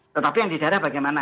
tetapi yang di daerah bagaimana